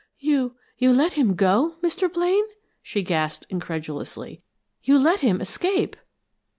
"You you let him go, Mr. Blaine?" she gasped, incredulously. "You let him escape!"